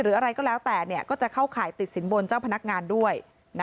อะไรก็แล้วแต่ก็จะเข้าข่ายติดสินบนเจ้าพนักงานด้วย